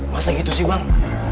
masa gitu sih bang